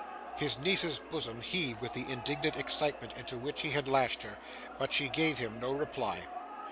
His niece's bosom heaved with the indignant excitement into which he had lashed her, but she gave him no reply.